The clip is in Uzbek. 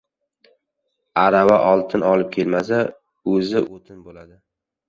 • Arava o‘tin olib kelmasa, o‘zi o‘tin bo‘ladi.